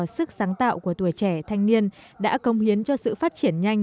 sức sáng tạo của tuổi trẻ thanh niên đã công hiến cho sự phát triển nhanh